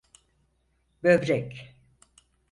Böbrek.